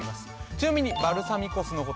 ちなみにバルサミコ酢のこと